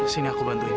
sini aku bantuin